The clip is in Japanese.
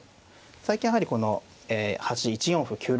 最近やはりこのえ端１四歩９六歩